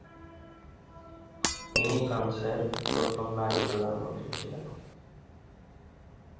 তিনি ফ্রান্সের প্রথম নারী প্রধানমন্ত্রী ছিলেন।